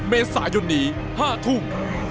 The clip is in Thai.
เมษายนนี้๕ทุ่ม